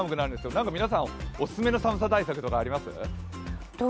なんか皆さん、おすすめの寒さ対策とかあります？